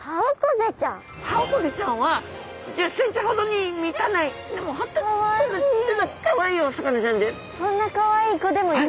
ハオコゼちゃんは１０センチほどに満たない本当ちっちゃなちっちゃなかわいいお魚ちゃんです。